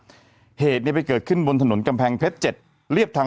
เหตุเนี่ยไปเกิดขึ้นบนถนนกำแพงเพชร๗เรียบทาง